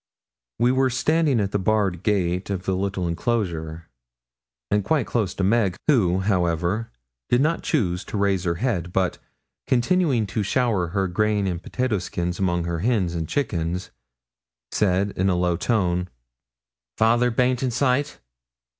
We were standing at the barred gate of the little enclosure, and quite close to Meg, who, however, did not choose to raise her head, but, continuing to shower her grain and potato skins among her hens and chickens, said in a low tone 'Father baint in sight?